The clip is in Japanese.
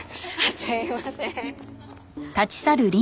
すいません。